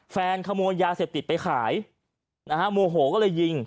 ขโมยยาเสพติดไปขายนะฮะโมโหก็เลยยิง